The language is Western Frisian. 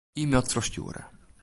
E-mail trochstjoere.